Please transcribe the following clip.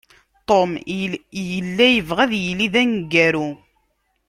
Tom yella yebɣa ad yili d aneggaru.